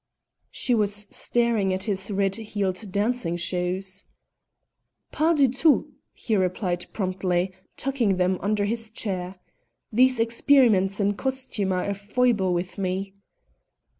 She was staring at his red heeled dancing shoes. "Pas du tout!" he replied promptly, tucking them under his chair. "These experiments in costume are a foible with me."